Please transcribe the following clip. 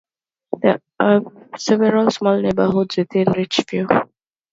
There are several small neighbourhoods within Richview.